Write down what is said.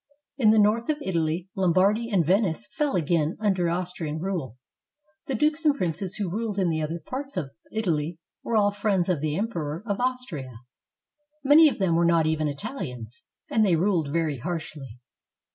In the north of Italy, Lombardy and Venice fell again under Austrian rule. The dukes and princes who ruled in the other parts of Italy were all friends of the Emperor of Austria ; many of them were not even Itahans ; and they ruled very harshly.